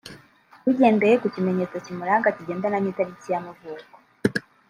…bigendeye ku kimenyetso kimuranga kigendana n’italiki y’amavuko